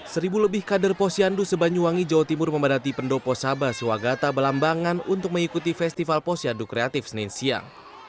seribu lebih kader posyandu sebanyuwangi jawa timur memadati pendopo sabah swagata belambangan untuk mengikuti festival posyandu kreatif senin siang